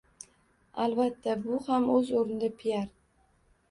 Albatta, bu ham o‘z o‘rnida piar.